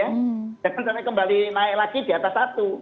jangan sampai kembali naik lagi di atas satu